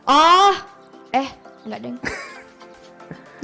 oh eh enggak deng